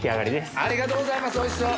ありがとうございますおいしそ。